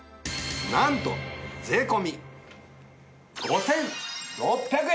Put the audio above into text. なんと税込５６００円です！